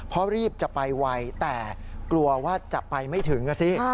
เพราะรีบจะไปไวแต่กลัวว่าจะไปไม่ถึงนะสิ